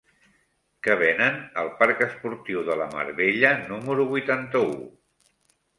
Què venen al parc Esportiu de la Mar Bella número vuitanta-u?